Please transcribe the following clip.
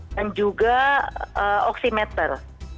dan juga oksimeter